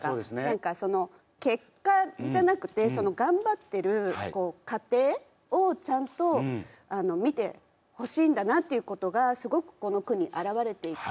なんか、結果じゃなくてその頑張ってる過程を、ちゃんと見てほしいんだなっていうことがすごく、この句に表れていて。